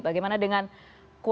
bagaimana dengan partai